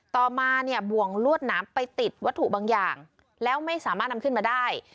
ต่อมาเนี่ยบ่วงลวดหนามไปติดวัตถุบางอย่างแล้วไม่สามารถนำขึ้นมาได้